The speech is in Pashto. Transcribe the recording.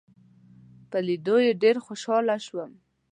په لیدو یې ډېر خوشاله شوم.